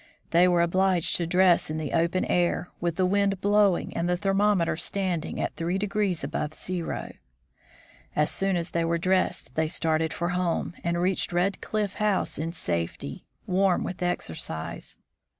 They were obliged to dress in the open air, with the wind blowing and the thermometer standing at 3 above zero. As soon as they were dressed they started for home, and reached Red Cliff House in safety, warm with exercise.